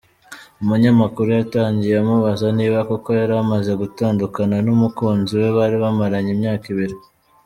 Umunyamakuru yatangiye amubaza niba koko yaramaze gutandukana n’umukunzi we bari bamaranye imyaka ibiri.